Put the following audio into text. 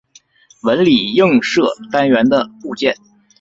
纹理映射单元的部件。